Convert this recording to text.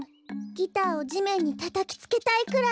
ギターをじめんにたたきつけたいくらい。